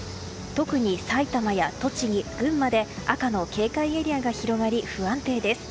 特にさいたまや栃木、群馬で赤の警戒エリアが広がり不安定です。